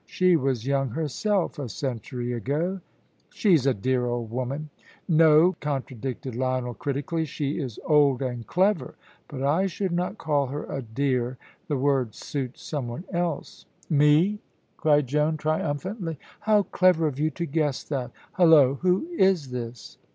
She was young herself a century ago." "She's a dear old woman." "No," contradicted Lionel, critically; "she is old and clever, but I should not call her a dear. That word suits some one else." "Me," cried Joan, triumphantly. "How clever of you to guess that! Hulloa, who is this?"